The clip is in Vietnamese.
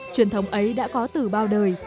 truyền thống ấy đã có từ bao đời